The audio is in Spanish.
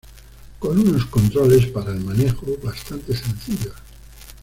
Con unos controles para el manejo bastante sencillos.